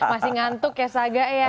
masih ngantuk ya saga ya